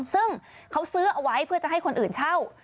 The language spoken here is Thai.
ซึ่งเขาซื้อเอาไว้เพื่อจะให้คนอื่นเช่า